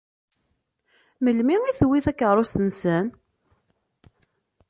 Melmi i tewwi takeṛṛust-nsent?